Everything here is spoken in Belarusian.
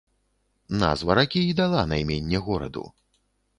Назва ракі і дала найменне гораду.